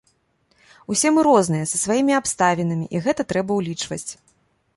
Усе мы розныя, са сваімі абставінамі, і гэта трэба ўлічваць.